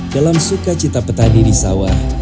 dalam sukacita petani di sawah